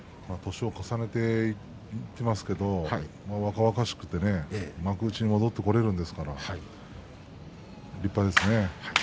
年を重ねていってますけど若々しく攻めて幕内に戻ってこられるんですから立派ですね。